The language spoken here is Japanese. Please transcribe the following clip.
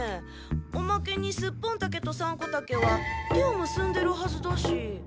おまけにスッポンタケとサンコタケは手をむすんでるはずだし。